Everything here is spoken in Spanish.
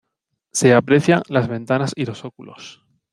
Se aprecian las ventanas y los óculos.